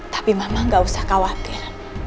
tapi mama gak usah khawatir